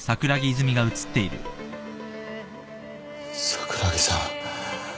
桜木さん。